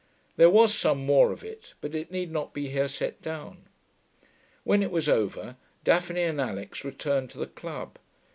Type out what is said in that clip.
There was some more of it, but it need not be here set down. When it was over, Daphne and Alix returned to the club.